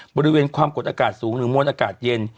บริเวณความกดอากาศสูงหรือมวลอากาศเย็น